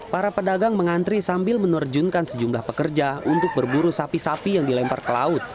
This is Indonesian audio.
para pedagang mengantri sambil menerjunkan sejumlah pekerja untuk berburu sapi sapi yang dilempar ke laut